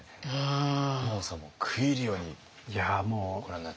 亞門さんも食い入るようにご覧になってました。